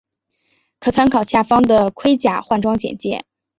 可参考下方的盔甲换装简介。